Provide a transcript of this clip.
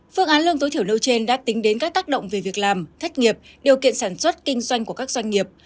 phương án lương tối thiểu nêu trên đã tính đến các tác động về việc làm thất nghiệp điều kiện sản xuất kinh doanh của các doanh nghiệp